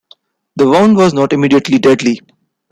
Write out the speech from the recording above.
The wound was not immediately deadly.